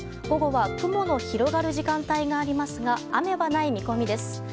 午後は雲の広がる時間帯がありますが雨はない見込みです。